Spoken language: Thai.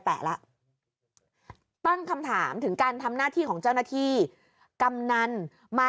แปะแล้วตั้งคำถามถึงการทำหน้าที่ของเจ้าหน้าที่กำนันมา